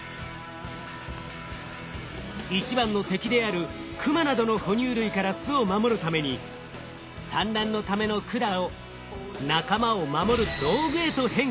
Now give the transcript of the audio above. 一番の敵である熊などの哺乳類から巣を守るために産卵のための管を仲間を守る道具へと変化させました。